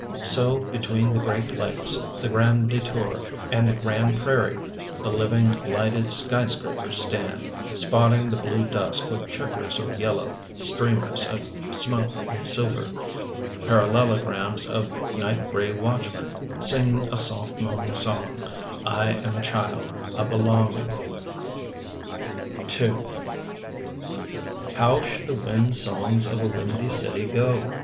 So between the Great Lakes, The Grand De Tour, and the Grand Prairie, The living lighted skyscrapers stand, Spotting the blue dusk with checkers of yellow, streamers of smoke and silver, parallelograms of night gray watchmen, Singing a soft moaning song: I am a child, a belonging. How should the wind songs of a windy city go?